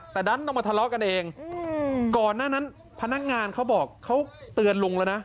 แต่ดันต้องมาทะเลาะกันเองก่อนหน้านั้นพนักงานเขาบอกเขาเตือนลุงแล้วนะ